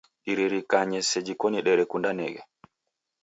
Diririkanye sejhi derekundaneghe